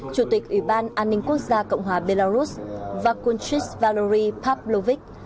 chủ tịch ủy ban an ninh quốc gia cộng hòa belarus vakunchis valery pavlovich